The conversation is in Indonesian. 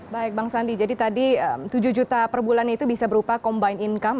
baik bang sandi jadi tadi tujuh juta per bulan itu bisa berupa combine income